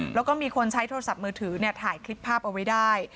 แล้วก็มีคนใช้โทรศัพท์มือถือถ่ายคลิปภาพเอาไว้ได้